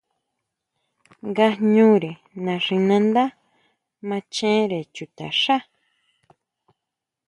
Ngaʼñure naxinándá machenre chuta xá.